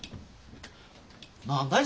何だい？